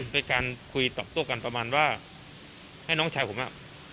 ด้วยการคุยตอบโต้กันประมาณว่าให้น้องชายผมอ่ะ